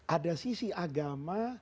ada sisi agama